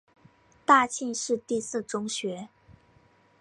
大庆市第四中学。